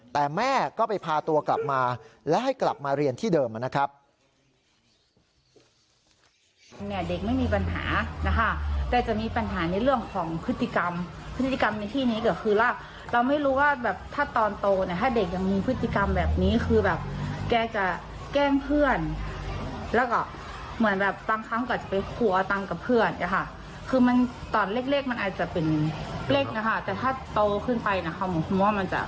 แต่แม่ก็ไปพาตัวกลับมาและให้กลับมาเรียนที่เดิมนะครับ